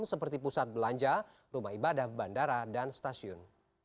seperti pusat belanja rumah ibadah bandara dan stasiun